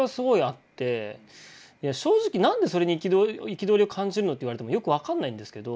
正直何でそれに憤りを感じてるの？って言われてもよく分かんないんですけど。